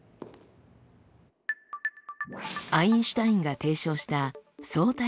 アインシュタインが提唱した「相対性理論」。